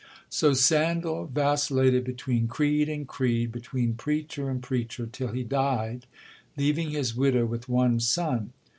So Sandal vacillated between creed and creed, between preacher and preacher, till he died, leaving his widow with one son.